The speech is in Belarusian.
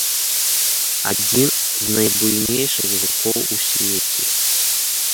Адзін з найбуйнейшых жукоў у свеце.